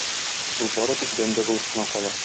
Ул бары тик бәндә булып кына кала.